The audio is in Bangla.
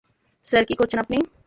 স্যার, কী করছেন আপনি?